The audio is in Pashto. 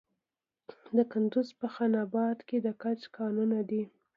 د کندز په خان اباد کې د ګچ کانونه دي.